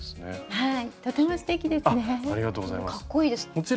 はい。